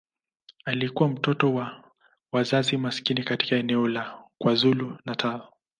Alikuwa mtoto wa wazazi maskini katika eneo la KwaZulu-Natal.